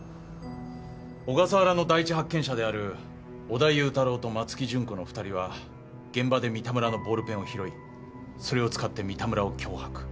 小笠原の第一発見者である小田雄太郎と松木順子の２人は現場で三田村のボールペンを拾いそれを使って三田村を脅迫。